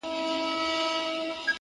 د گران صفت كومه”